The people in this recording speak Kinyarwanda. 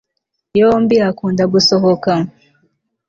Yombi akunda gusohoka